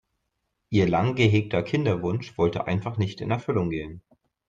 Ihr lang gehegter Kinderwunsch wollte einfach nicht in Erfüllung gehen.